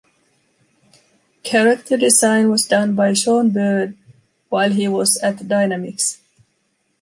Character design was done by Shawn Bird while he was at Dynamix.